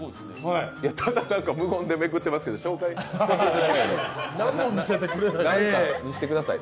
ただ無言でめくってますけど、紹介してください。